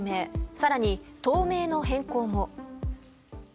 更に党名の変更も。